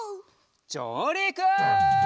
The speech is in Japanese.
じょうりく！